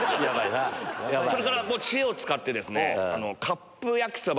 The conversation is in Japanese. それから知恵を使ってですね。